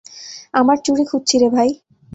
আমার চুড়ি খুঁজছি রে ভাই।